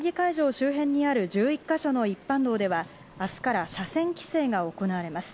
周辺にある１１か所の一般道では明日から車線規制が行われます。